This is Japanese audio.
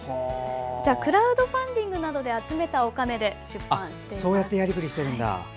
クラウドファンディングで集めたお金で出版しています。